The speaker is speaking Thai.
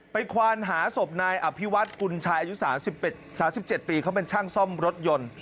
ควานหาศพนายอภิวัฒน์กุญชัยอายุ๓๗ปีเขาเป็นช่างซ่อมรถยนต์